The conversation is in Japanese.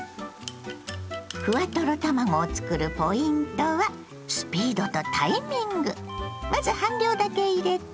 ふわトロ卵を作るポイントはスピードとタイミング。